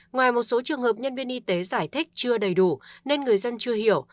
ngoài một số trường hợp nhân viên y tế giải thích chưa đầy đủ nên người dân chưa hiểu